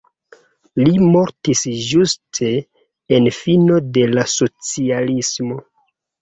Li mortis ĝuste en fino de la socialismo.